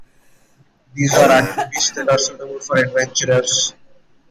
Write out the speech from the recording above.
These are activities that are suitable for adventurers.